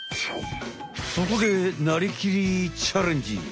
そこで「なりきり！チャレンジ！」。